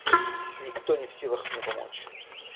— Никто не в силах мне помочь.